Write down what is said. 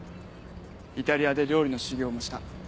イタリアで料理の修業もした。